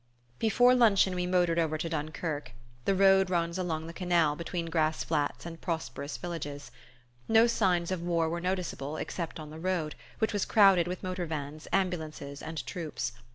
Before luncheon we motored over to Dunkerque. The road runs along the canal, between grass flats and prosperous villages. No signs of war were noticeable except on the road, which was crowded with motor vans, ambulances and troops.